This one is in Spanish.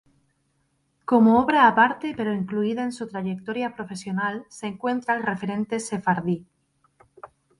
Como obra aparte pero incluida en su trayectoria profesional se encuentra el referente Sefardí.